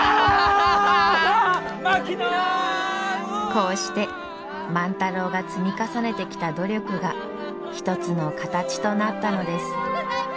こうして万太郎が積み重ねてきた努力が一つの形となったのです。